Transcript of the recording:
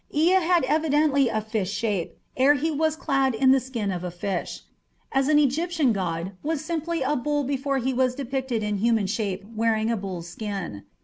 Ea had evidently a fish shape ere he was clad in the skin of a fish, as an Egyptian god was simply a bull before he was depicted in human shape wearing a bull's skin.